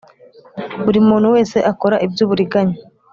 Buri muntu wese akora iby uburiganya